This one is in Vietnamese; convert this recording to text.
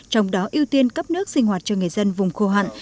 trong đó ưu tiên cấp nước sinh hoạt cho người dân vùng khô hạn